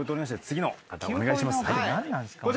お願いしまーす！